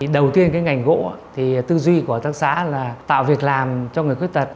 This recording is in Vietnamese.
đầu tiên cái ngành gỗ tư duy của tác xã là tạo việc làm cho người khuyết tật